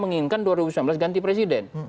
menginginkan dua ribu sembilan belas ganti presiden